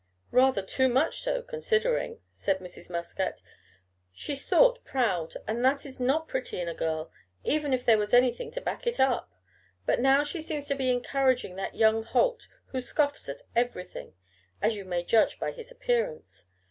"Rather too much so, considering," said Mrs. Muscat. "She's thought proud, and that is not pretty in a girl, even if there was anything to back it up. But now she seems to be encouraging that young Holt, who scoffs at everything, as you may judge by his appearance.